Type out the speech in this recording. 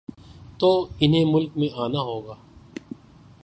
تو انہیں ملک میں آنا ہو گا۔